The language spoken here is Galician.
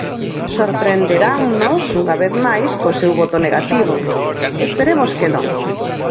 Sorprenderannos unha vez máis co seu voto negativo; esperemos que non.